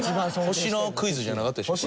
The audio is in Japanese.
星野クイズじゃなかったでしたっけ？